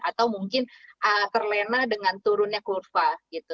atau mungkin terlena dengan turunnya kurva gitu